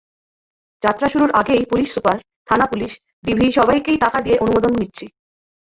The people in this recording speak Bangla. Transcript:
যাত্রা শুরুর আগেই পুলিশ সুপার, থানা-পুলিশ, ডিবি সবাইকে টাকা দিয়ে অনুমোদন নিছি।